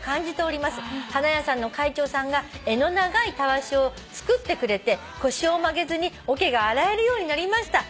「花屋さんの会長さんが柄の長いたわしを作ってくれて腰を曲げずにおけが洗えるようになりました」